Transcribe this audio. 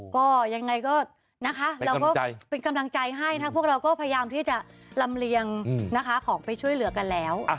ก็ยังไงก็นะคะเราก็เป็นกำลังใจให้นะพวกเราก็พยายามที่จะลำเลียงนะคะของไปช่วยเหลือกันแล้ว